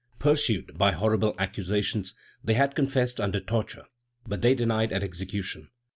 Pursued by horrible accusations, they had confessed under torture, but they denied at execution.